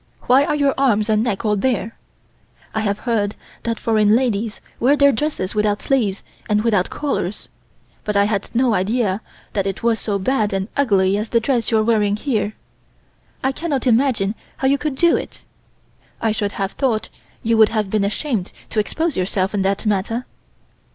Why are your arms and neck all bare? I have heard that foreign ladies wear their dresses without sleeves and without collars, but I had no idea that it was so bad and ugly as the dress you are wearing here. I cannot imagine how you could do it. I should have thought you would have been ashamed to expose yourself in that manner.